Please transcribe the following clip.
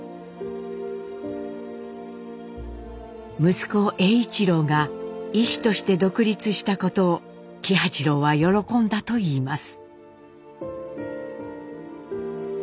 息子栄一郎が医師として独立したことを喜八郎は喜んだといいます。